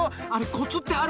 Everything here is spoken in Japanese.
コツってあるの？